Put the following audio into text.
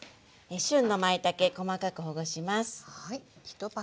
旬のまいたけ細かくほぐします。